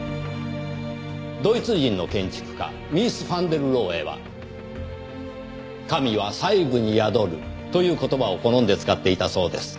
ドイツ人の建築家ミース・ファン・デル・ローエは「神は細部に宿る」という言葉を好んで使っていたそうです。